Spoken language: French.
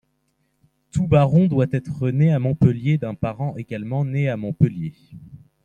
Tout baron doit être né à Montpellier d'un parent également né à Montpellier.